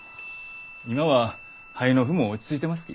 今は肺の腑も落ち着いてますき。